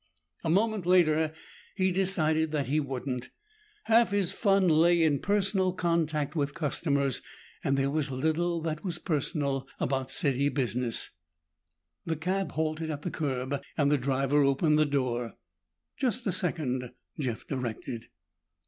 A moment later he decided that he wouldn't. Half his fun lay in personal contact with customers, and there was little that was personal about city business. The cab halted at the curb and the driver opened the door. "Just a second," Jeff directed.